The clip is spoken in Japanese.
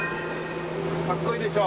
かっこいいでしょ。